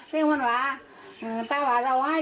เติ้ลโรงแรมวิจารณาด้าย